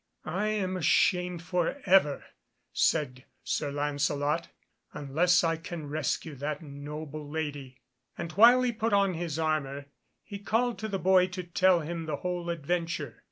"I am ashamed for ever," said Sir Lancelot, "unless I can rescue that noble lady," and while he put on his armour, he called to the boy to tell him the whole adventure.